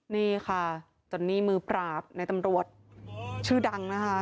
นี่ค่ะจนนี่มือปราบในตำรวจชื่อดังนะคะ